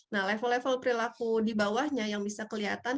nah level level perilaku di bawahnya yang bisa kelihatan